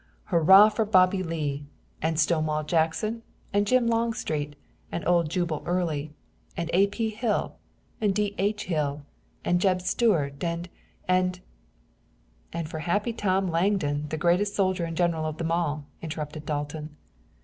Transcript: Hurrah for Bobby Lee, and Stonewall Jackson and Jim Longstreet, and old Jubal Early, and A. P. Hill and D. H. Hill and Jeb Stuart and and " "And for Happy Tom Langdon, the greatest soldier and general of them all," interrupted Dalton.